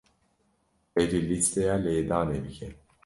Tevlî lîsteya lêdanê bike.